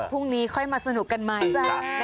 พรุ่งนี้ค่อยมาสนุกกันใหม่จ้า